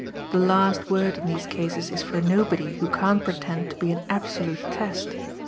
The last word in these cases is for nobody who can't pretend to an ABSOLUTE test.